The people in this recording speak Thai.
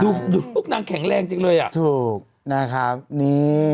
ดูพวกนางแข็งแรงจริงเลยอ่ะถูกนะครับนี่